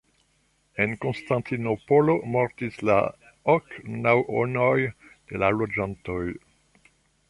En Konstantinopolo mortis la ok naŭonoj de la loĝantoj.